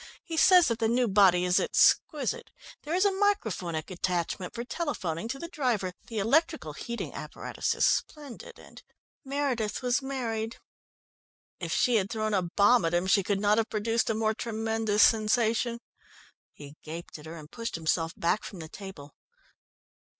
He says that the new body is exquisite. There is a micraphonic attachment for telephoning to the driver, the electrical heating apparatus is splendid and " "Meredith was married." If she had thrown a bomb at him she could not have produced a more tremendous sensation. He gaped at her, and pushed himself back from the table.